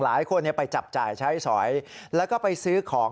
หลายคนไปจับจ่ายใช้สอยแล้วก็ไปซื้อของ